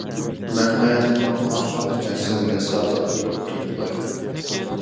مەن ھاياتىمنىڭ ئاخىرىغىچە سىزگە سادىق بولۇپ تولۇقلايمەن.